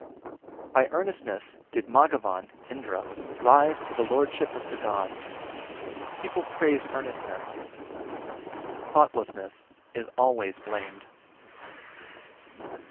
30. By earnestness did Maghavan (Indra) rise to the lordship of the gods. People praise earnestness; thoughtlessness is always blamed.